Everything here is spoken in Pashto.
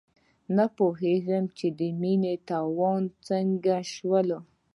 نه پوهېږم، د مینې تارونه څنګه شلول.